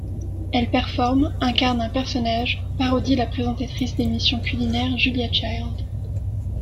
Elle performe, incarne un personnage, parodie la présentatrice d’émissions culinaires Julia Child.